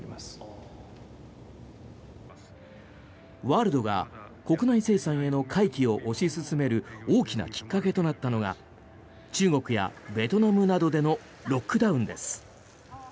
ワールドが国内生産への回帰を推し進める大きなきっかけとなったのが中国やベトナムなどでのロックダウンです。